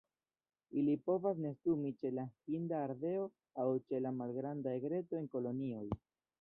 Ili povas nestumi ĉe la Hinda ardeo aŭ ĉe la Malgranda egreto en kolonioj.